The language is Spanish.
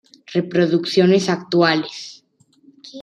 Reproducciones actuales.